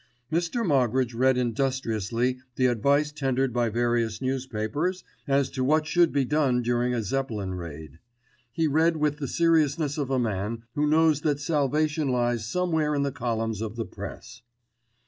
Mr. Moggridge read industriously the advice tendered by various newspapers as to what should be done during a Zeppelin raid. He read with the seriousness of a man who knows that salvation lies somewhere in the columns of the Press.